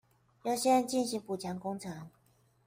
優先進行補強工程